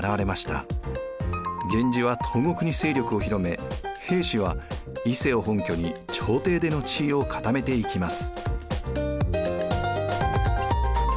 源氏は東国に勢力を広め平氏は伊勢を本拠に朝廷での地位を固めていきます。